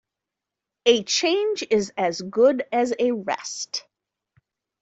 A change is as good as a rest.